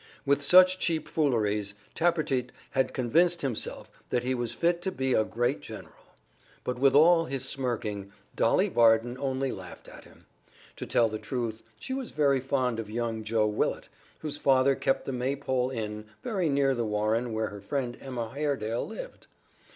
With such cheap fooleries Tappertit had convinced himself that he was fit to be a great general. But with all his smirking, Dolly Varden only laughed at him. To tell the truth, she was very fond of young Joe Willet, whose father kept the Maypole Inn, very near The Warren where her friend Emma Haredale lived.